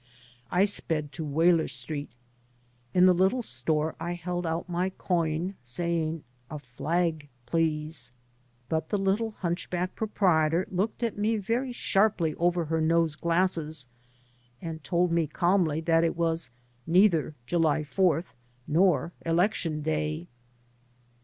I sped to Waler Street. In the little store I held out my coin saying, " A flag, please." But the little hunch back proprietor looked at me very sharply over her nose glasses and told me calmly that it was neither July 4th, nor Election Day.